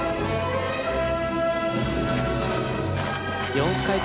４回転。